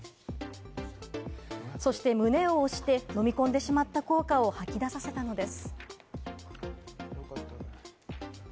そして胸を押して、飲み込んでしまった硬貨を吐き出させたのです。